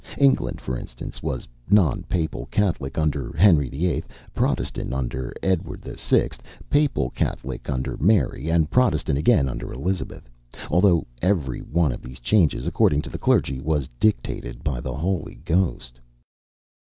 England, for instance, was non papal Catholic under Henry VIII., Protestant under Edward VI., papal Catholic under Mary, and Protestant again under Elizabeth; although every one of these changes, according to the clergy, was dictated by the Holy Ghost.